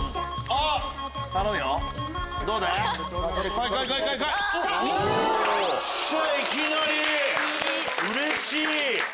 うれしい！